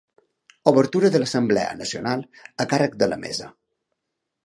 Obertura de l’assemblea nacional, a càrrec de la mesa.